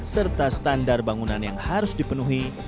serta standar bangunan yang harus dipenuhi